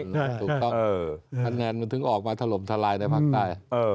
ถูกต้องคะแนนมันถึงออกมาถล่มทลายในภาคใต้